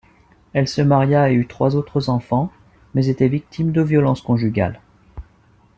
Elle se maria et eut trois autres enfants, mais était victime de violence conjugale.